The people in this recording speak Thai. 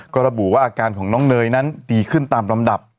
ก็ระบุว่าอาการของน้องเนยนั้นดีขึ้นตามลำดับ